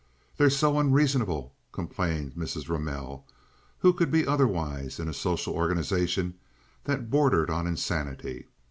"They're so unreasonable," complained Miss Ramell. Who could be otherwise in a social organization that bordered on insanity?